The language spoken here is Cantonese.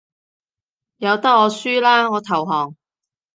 由得我輸啦，我投降